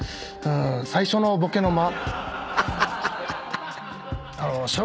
最初のボケの間。